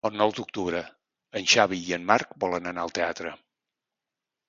El nou d'octubre en Xavi i en Marc volen anar al teatre.